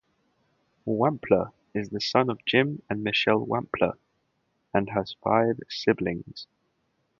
Wampler is the son of Jim and Michelle Wampler and has five siblings.